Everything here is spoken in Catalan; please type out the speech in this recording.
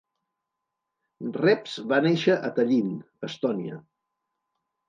Reps va néixer a Tallinn, Estònia.